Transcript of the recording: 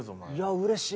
うれしい！